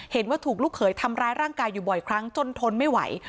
เห็นว่าถูกลูกเขยทำร้ายร่างกายอยู่บ่อยครั้งจนทนไม่ไหว